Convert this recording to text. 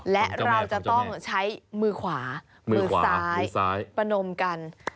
และเราจะต้องใช้มือขวามือซ้ายประนมกัน